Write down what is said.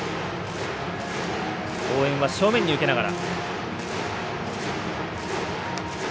応援は正面に受けながら。